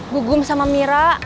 gugum sama mira